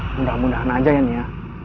mudah mudahan aja ya nia